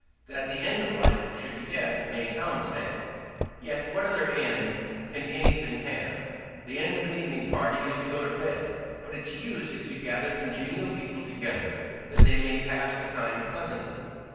That the end of life should be death may sound sad: yet what other end can anything have? The end of an evening party is to go to bed; but its use is to gather congenial people together, that they may pass the time pleasantly.